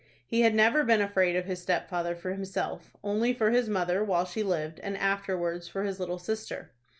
He had never been afraid of his stepfather for himself, only for his mother, while she lived, and afterwards for his little sister.